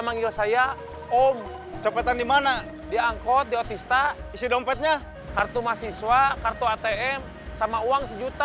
manggil saya om cepetan dimana diangkut jatista isi dompetnya kartu mahasiswa kartu atm sama uang